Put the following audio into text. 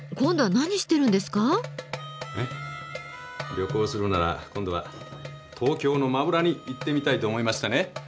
旅行するなら今度は東京の真裏に行ってみたいと思いましてね。